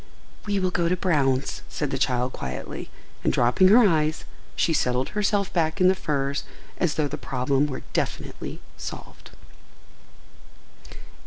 "We will go to Brown's," said the child quietly, and, dropping her eyes, she settled herself back in the furs as though the problem were definitely solved.